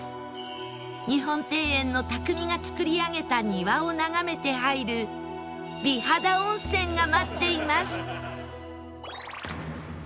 日本庭園の匠が造り上げた庭を眺めて入る美肌温泉が待っています